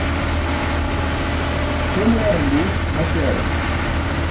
Śel yaarum duus mos yaarar.